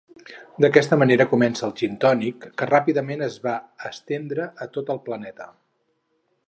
D'aquesta manera comença el gintònic, que ràpidament es va estendre per tot el planeta.